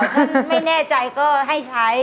ถ้าไม่แน่ใจก็ให้ใช้